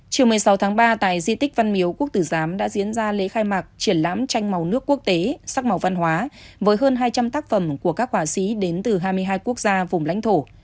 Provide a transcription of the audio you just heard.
chiều một mươi sáu tháng ba tại di tích văn miếu quốc tử giám đã diễn ra lễ khai mạc triển lãm tranh màu nước quốc tế sắc màu văn hóa với hơn hai trăm linh tác phẩm của các họa sĩ đến từ hai mươi hai quốc gia vùng lãnh thổ